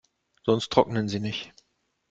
Sonst trocknen sie nicht.